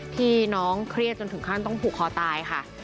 ที่น้องเครียดจนถึงขั้นต้องผูกคอตายค่ะ